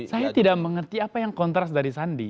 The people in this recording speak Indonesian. saya tidak mengerti apa yang kontras dari sandi